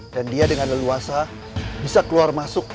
dan dia dengan leluasa bisa keluar masuk